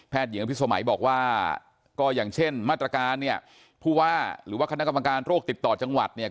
หญิงอภิษมัยบอกว่าก็อย่างเช่นมาตรการเนี่ยผู้ว่าหรือว่าคณะกรรมการโรคติดต่อจังหวัดเนี่ย